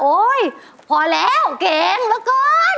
โอ๊ยพอแล้วเก่งละก้อนโอเค